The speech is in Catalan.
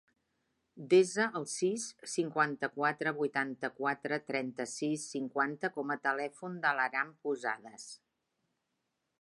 Desa el sis, cinquanta-quatre, vuitanta-quatre, trenta-sis, cinquanta com a telèfon de l'Aram Posadas.